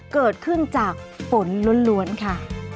เกิดขึ้นจากฝนล้วนค่ะ